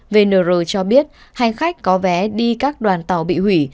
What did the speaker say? vnr cho biết hành khách có vé đi các đoàn tàu bị hủy